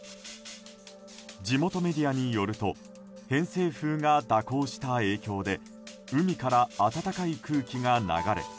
地元メディアによると偏西風が蛇行した影響で海から暖かい空気が流れ